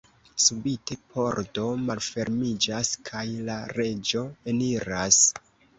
Subite pordo malfermiĝas, kaj la reĝo eniras.